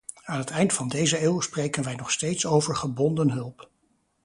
Aan het eind van deze eeuw spreken wij nog steeds over gebonden hulp.